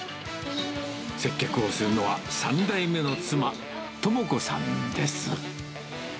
接客をするのは、３代目の妻、知子さんです。